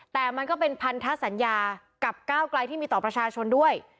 แต่มันก็เป็นพันธสัญญากับก้าวไกลที่มีต่อประชาชนด้วย